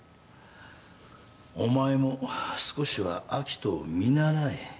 お前も少しは明人を見習え。